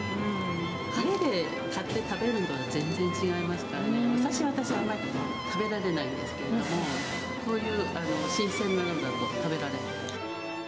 家で買って食べるのとは全然お刺身、私、あまり食べられないんですけども、こういう新鮮なのだと食べられる。